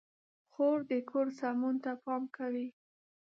خور د کور سمون ته پام کوي.